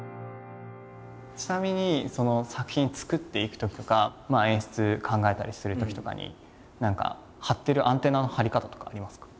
ちなみに作品作っていくときとか演出考えたりするときとかに何か張ってるアンテナの張り方とかありますか？